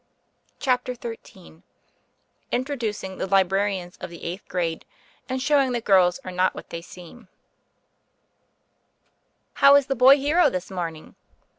'* CHAPTER XIII INTRODUCING THE LIBRARIANS OF THE EIGHTH GRADE AND SHOWING THAT GIRLS ARE NOT WHAT THEY SEEM ii TTOW is the boy hero this morning?"